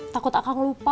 takut akang lupa